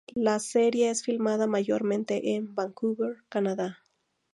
La serie es filmada mayormente en Vancouver, Canadá.